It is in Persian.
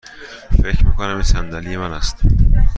فکر می کنم این صندلی من است.